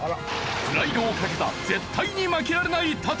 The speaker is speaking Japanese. プライドをかけた絶対に負けられない戦い！